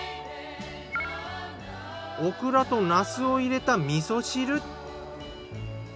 オクラとなすを入れた味噌汁。